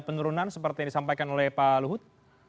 penurunan seperti yang disampaikan oleh pak luhut